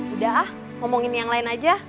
udah ah ngomongin yang lain aja